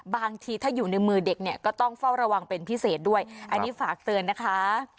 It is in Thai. บางทีถ้าอยู่ในมือเด็กเนี่ยก็ต้องเฝ้าระวังเป็นพิเศษด้วยอันนี้ฝากเตือนนะคะ